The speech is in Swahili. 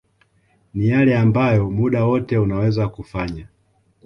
ni yale ambayo muda wote unaweza kufanya